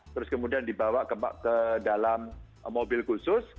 terus kemudian dibawa ke dalam mobil khusus